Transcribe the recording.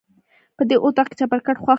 په دې اطاق کې چپرکټ خوښ کړه.